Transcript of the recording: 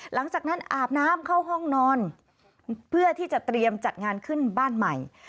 หลังจากนั้นอาบน้ำเข้าห้องนอนเพื่อที่จะเตรียมจัดงานขึ้นบ้านใหม่